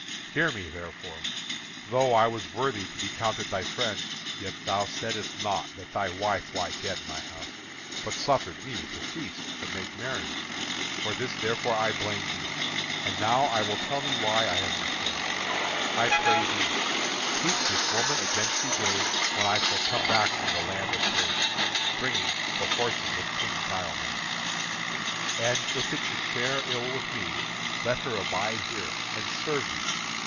Hear me, therefore. Though I was worthy to be counted thy friend, yet thou saidst not that thy wife lay dead in thy house, but suffered me to feast and make merry. For this, therefore, I blame thee. And now I will tell thee why I am returned. I pray thee, keep this woman against the day when I shall come back from the land of Thrace, bringing the horses of King Diomed. And if it should fare ill with me, let her abide here and serve thee.